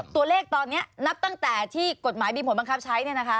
ตัวเลขตอนนี้นับตั้งแต่ที่กฎหมายมีผลบังคับใช้